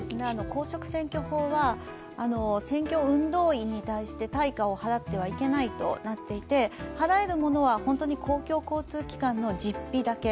公職選挙法は選挙運動員に対して対価を払ってはいけないとなっていて、払えるものは本当に公共交通機関の実費だけ。